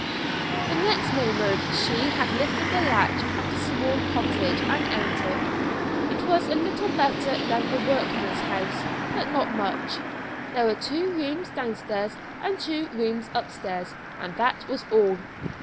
The next moment she had lifted the latch at a small cottage and entered. It was a little better than a workman's house, but not much; there were two rooms downstairs and two rooms upstairs, and that was all.